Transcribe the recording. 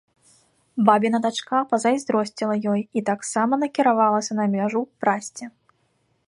Бабіна дачка пазайздросціла ёй і таксама накіравалася на мяжу прасці.